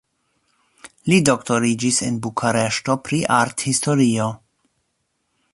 Li doktoriĝis en Bukareŝto pri arthistorio.